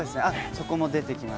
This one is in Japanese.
そこも出てきま